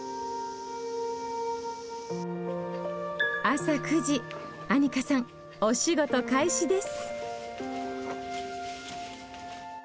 朝９時アニカさんお仕事開始です。